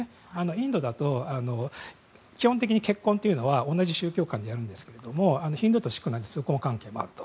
インドだと、基本的に結婚というのは同じ宗教間でやるんですけどヒンドゥーとシークの通婚関係もあると。